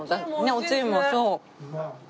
おつゆもそう。